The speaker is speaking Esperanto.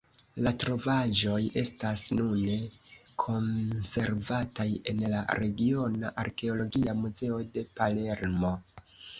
La trovaĵoj estas nune konservataj en la Regiona Arkeologia Muzeo de Palermo.